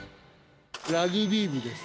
ラグビー部です。